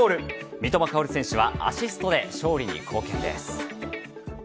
三笘薫選手はアシストで勝利に貢献です。